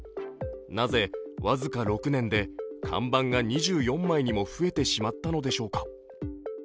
なぜ僅か６年で看板が２４枚にも増えてしまったのでしょうか。